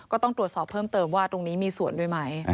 ก็ต้องตรวจสอบเพิ่มเติมว่าตรงนี้มีส่วนด้วยไหม